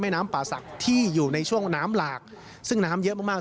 น้ำป่าศักดิ์ที่อยู่ในช่วงน้ำหลากซึ่งน้ำเยอะมากมาก